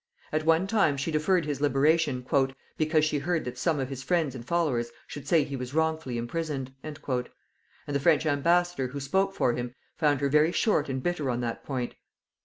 At one time she deferred his liberation "because she heard that some of his friends and followers should say he was wrongfully imprisoned:" and the French ambassador who spoke for him, found her very short and bitter on that point.